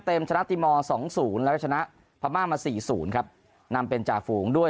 เต็มชนะตีม๒๐แล้วชนะพม่ามา๔๐ครับนำเป็นจากฝูงด้วย